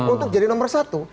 untuk jadi nomor satu